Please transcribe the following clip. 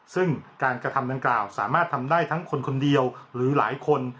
ซึ่งการกระทำดังกล่าวสามารถทำได้ทั้งคนคนเดียวหรือหลายคน